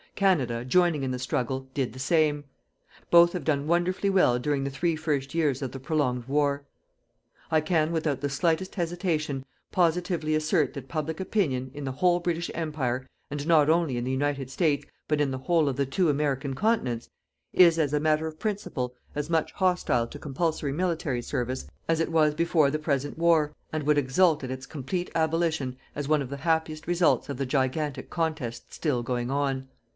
Canada, joining in the struggle, did the same. Both have done wonderfully well during the three first years of the prolonged war. I can, without the slightest hesitation, positively assert that public opinion, in the whole British Empire, and, not only in the United States, but in the whole of the two American continents, is, as a matter of principle, as much hostile to compulsory military service as it was before the present war, and would exult at its complete abolition as one of the happiest results of the gigantic contest still going on.